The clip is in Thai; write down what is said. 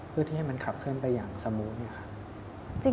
เพื่อที่ให้มันขับเคลื่อนไปอย่างสมูทไงครับ